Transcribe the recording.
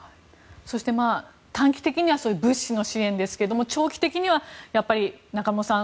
そして、短期的には物資の支援ですけれども長期的には、やっぱり中室さん